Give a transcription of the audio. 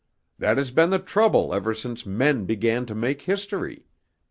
That has been the trouble ever since men began to make history.